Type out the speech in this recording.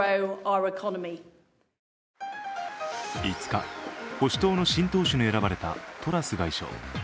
５日、保守党の新党首に選ばれたトラス外相。